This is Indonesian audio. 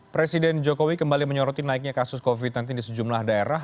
presiden jokowi kembali menyoroti naiknya kasus covid sembilan belas di sejumlah daerah